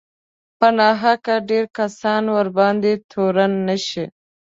په ناحقه ډېر کسان ورباندې تورن نه شي